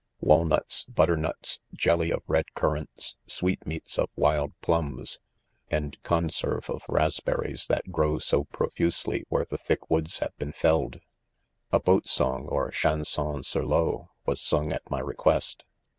— walnuts, butternuts, jelly of red currants,, sweetmeats of wild plums, and conserve of raspberries that grow so profusely where the thick woods have been felled. 6 A boat song or chanson sur Peau, was sung at my request.